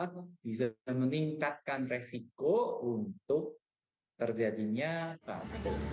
bisa meningkatkan resiko untuk terjadinya batuk